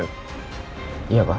neng vlog perbuatkan